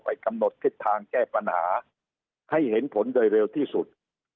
กำหนดทิศทางแก้ปัญหาให้เห็นผลโดยเร็วที่สุด